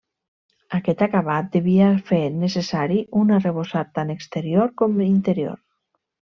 Aquest acabat devia fer necessari un arrebossat tant exterior com interior.